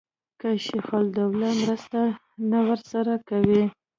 که شجاع الدوله مرسته نه ورسره کوي.